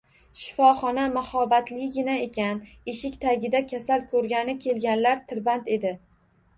Shifoxona mahobatligina ekan, eshik tagida kasal ko`rgani kelganlar tirband edi